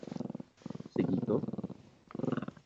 Sedí to?